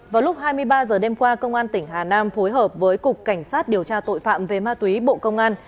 vào lúc hai mươi ba h đêm qua công an tỉnh hà nam phối hợp với cục cảnh sát điều tra tội phạm về ma túy bộ công an